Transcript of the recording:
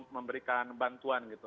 memberikan bantuan gitu